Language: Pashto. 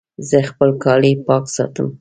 زه خپل کالي پاک ساتم.